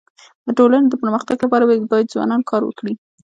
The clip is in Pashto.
د ټولني د پرمختګ لپاره باید ځوانان کار وکړي.